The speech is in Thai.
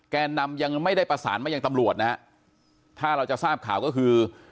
แกนนำยังไม่ได้ประสานมายังตำรวจนะฮะถ้าเราจะทราบข่าวก็คือ